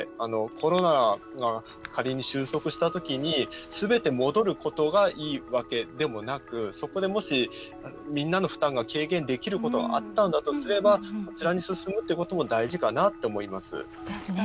コロナが仮に収束したときにすべて戻ることがいいわけでもなくそこでもし、みんなの負担が軽減できることがあったんだとすればそちらに進むってことも大事かなって思います。